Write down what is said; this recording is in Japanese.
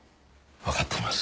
わかっています。